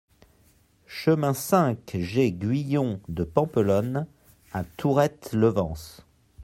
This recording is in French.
Chemin cinq G Guyon de Pampelonne à Tourrette-Levens